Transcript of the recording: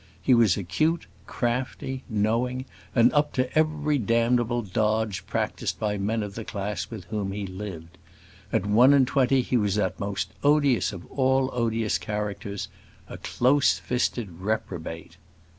He was acute, crafty, knowing, and up to every damnable dodge practised by men of the class with whom he lived. At one and twenty he was that most odious of all odious characters a close fisted reprobate.